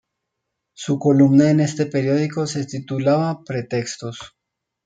Su columna en este periódico se titulaba "Pretextos.